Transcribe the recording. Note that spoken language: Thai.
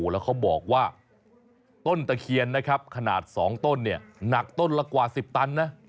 แล้วเขาบอกว่าต้นตะเคียนขนาดสองต้นหนักต้นละกว่าสิบตันนะ